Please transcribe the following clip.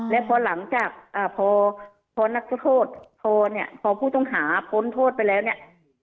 และพอหลังจากพอนักโทษพอเนี่ยพอผู้ต้องหาพ้นโทษไปแล้วเนี่ย